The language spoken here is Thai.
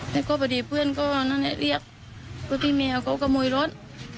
แล้วก็พอดีเพื่อนก็นั่นเนี้ยเรียกพี่แมวก็กระโมยรถ